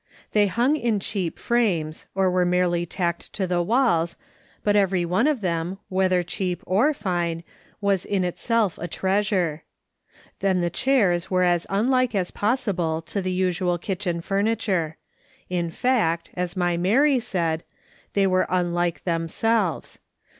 They hung in cheap frames, or were merely tacked to the walls, but every one of them, whether cheap or fine, was in itself a treasure. Then the chairs were as unlike as possible to the usual kitchen furniture — in fact, as my Mary said, they were unlike themselves.